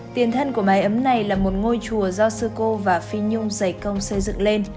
tiền thân của mái ấm này là một ngôi chùa do sư cô và phi nhung dày công xây dựng lên